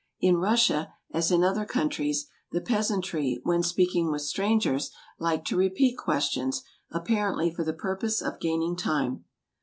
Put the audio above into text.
In Russia, as in other countries, the peasantry when speaking with strangers like to repeat questions, ap parently for the purpose of gaining time.